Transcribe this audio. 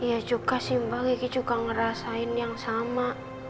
iya juga sih mbak gigi juga ngerasain yang sama